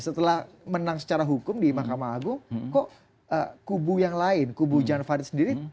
setelah menang secara hukum di mahkamah agung kok kubu yang lain kubu jan farid sendiri